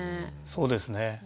そうですね。